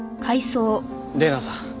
玲奈さん